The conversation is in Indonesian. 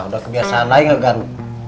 nah udah kebiasaan lagi ngegaru